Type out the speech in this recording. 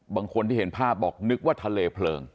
บางคนที่เห็นภาพบอกนึกว่าทะเลเพลิง